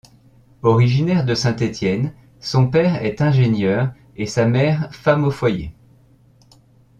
Originaire de Saint-Étienne, son père est ingénieur et sa mère femme au foyer.